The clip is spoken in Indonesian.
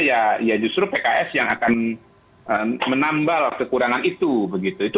ya justru pks yang akan menambah kekurangan itu